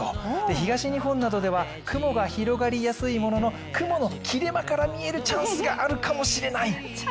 東日本などでは雲が広がりやすいものの、雲の切れ間から見えるチャンスがあるかもしれない！